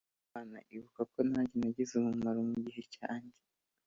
"Mana ibuka ko nanjye nagize umumaro mu gihe cyanjye